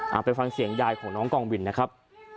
เอาไปฟังเสียงยายของน้องกองบินนะครับ